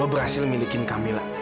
lo berhasil milikin camilla